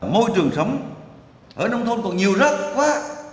môi trường sống ở nông thôn còn nhiều rắc quá